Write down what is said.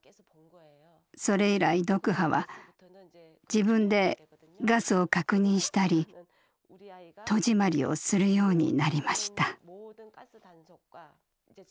それ以来ドクハは自分でガスを確認したり戸締まりをするようになりました。